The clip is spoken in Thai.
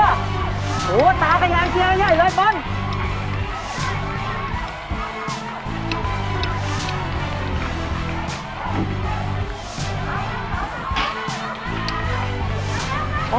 โอ้โหตาขยางเทียงใหญ่เลยปอนด์